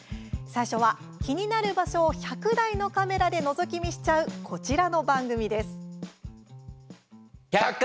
最初は気になる場所を１００台のカメラでのぞき見しちゃうこちらの番組です。